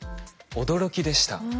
驚きでした。